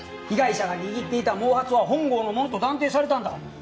被害者が握っていた毛髪は本郷のものと断定されたんだ。